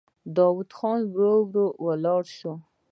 داوود خان ورو ولاړ شو.